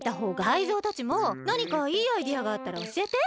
タイゾウたちもなにかいいアイデアがあったらおしえて。